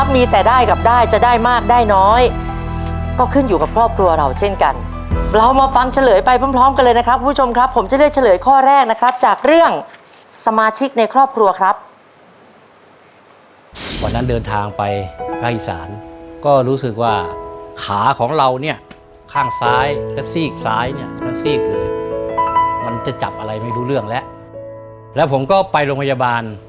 มีแต่ได้กับได้จะได้มากได้น้อยก็ขึ้นอยู่กับครอบครัวเราเช่นกันเรามาฟังเฉลยไปพร้อมกันเลยนะครับคุณผู้ชมครับผมจะเลือกเฉลยข้อแรกนะครับจากเรื่องสมาชิกในครอบครัวครับ